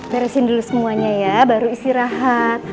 beresin dulu semuanya ya baru istirahat